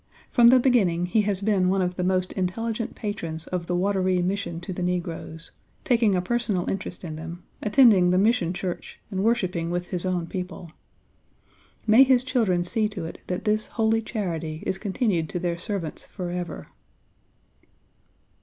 From the beginning he has been one of the most intelligent patrons of the Wateree Mission to the Negroes, taking a personal interest in them, attending the mission church and worshiping with his own people. May his children see to it that this holy charity is continued to their servants forever!"